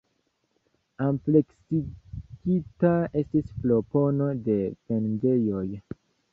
Ampleksigita estis propono de vendejoj.